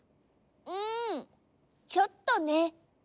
うんちょっとね。